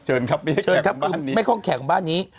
เชิญครับไม่ใช่แขกของบ้านนี้